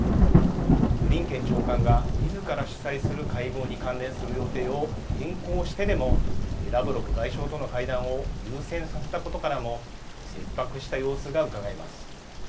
ブリンケン長官がみずから主催する会合に関連する予定を変更してでも、ラブロフ外相との会談を優先させたことからも、切迫した様子がうかがえます。